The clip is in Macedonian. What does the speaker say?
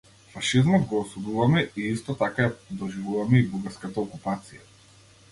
Фашизмот го осудувавме и исто така ја доживувавме и бугарската окупација.